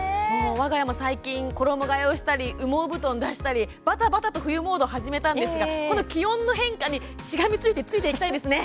わが家も衣がえをしたり羽毛布団を出したりばたばたと冬モードを始めたんですが気温の変化にしっかりついていきたいですね。